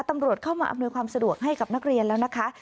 ตำรวจเข้ามาอำนวยความสะดวกให้กับนักเรียนแล้วนะคะ